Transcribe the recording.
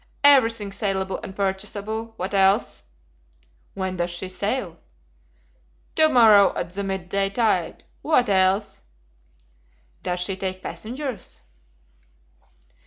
"Everything salable and purchasable. What else?" "When does she sail?" "To morrow at the mid day tide. What else?" "Does she take passengers?"